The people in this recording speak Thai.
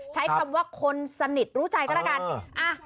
ใช้คำว่าคนสนิทรู้ใจก็แล้วกัน